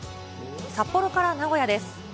札幌から名古屋です。